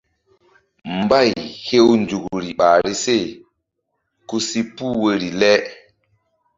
Mbay hew nzukri ɓahri se ku si puh woyri le.